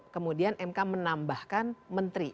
kemudian mk menambahkan menteri